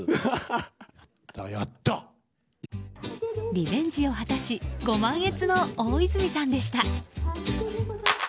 リベンジを果たしご満悦の大泉さんでした。